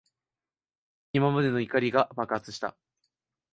今までの怒りが爆発した。